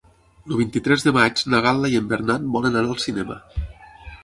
El vint-i-tres de maig na Gal·la i en Bernat volen anar al cinema.